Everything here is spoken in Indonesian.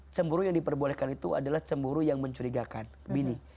cemburu yang diperbolehkan itu adalah cemburu yang mencurigakan bini